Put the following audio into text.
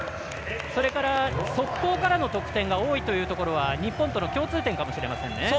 それから速攻からの得点が多いというところは日本との共通点かもしれません。